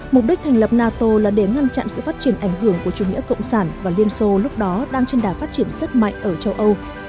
mục đích thành lập nato là để ngăn chặn sự phát triển ảnh hưởng của chủ nghĩa cộng sản và liên xô lúc đó đang trên đà phát triển rất mạnh ở châu âu